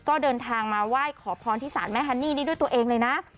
ก็เดินทางมาไหว้ขอพรที่ศาลแม่ฮันนี่นี่ด้วยตัวเองเลยนะ